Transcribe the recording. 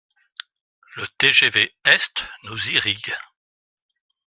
Le TGV Est nous irrigue.